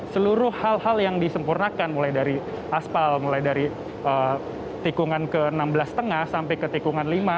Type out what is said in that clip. seluruh hal hal yang disempurnakan mulai dari aspal mulai dari tikungan ke enam belas lima sampai ke tikungan lima